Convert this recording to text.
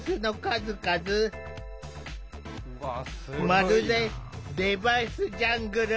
まるでデバイスジャングル。